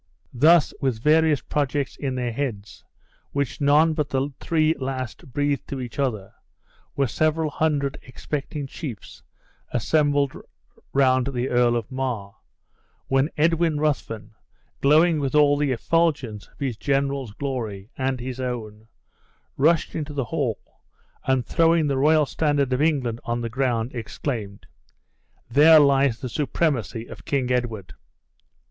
Thus, with various projects in their heads (which none but the three last breathed to each other), were several hundred expecting chiefs assembled round the Earl of Mar; when Edwin Ruthven, glowing with all the effulgence of his general's glory, and his own, rushed into the hall; and throwing the royal standard of England on the ground, exclaimed, "There lies the supremacy of King Edward!"